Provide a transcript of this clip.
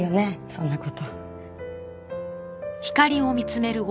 そんな事。